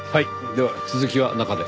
では続きは中で。